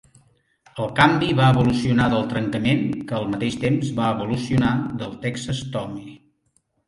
El canvi va evolucionar del trencament, que al mateix temps va evolucionar del "Texas Tommy".